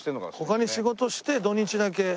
他に仕事して土日だけ蕎麦。